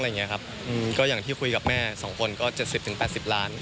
อย่างที่คุยกับแม่สองคน๗๐ถึง๘๐ล้าน